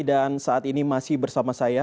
dan saat ini masih bersama saya